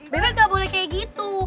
bebek gak boleh kayak gitu